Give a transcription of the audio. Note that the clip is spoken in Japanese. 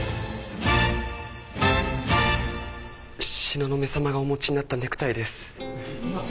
東雲さまがお持ちになったネクタイです。